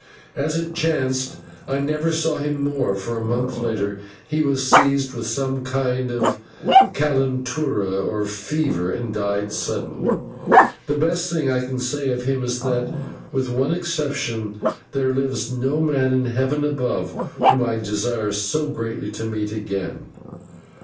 As it chanced, I never saw him more, for a month later he was seized with some kind of /calentura/, or fever, and died suddenly. The best thing I can say of him is that, with one exception, there lives no man in heaven above whom I so greatly desire to meet again.